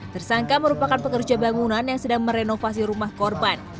tersangka merupakan pekerja bangunan yang sedang merenovasi rumah korban